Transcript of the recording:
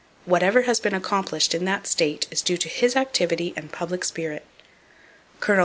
Whatever has been accomplished in that state is due to his activity and public spirit. Col.